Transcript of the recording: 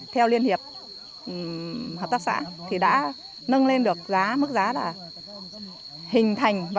theo liên hiệp hợp tác xã thì đã nâng lên được giá mức giá là hình thành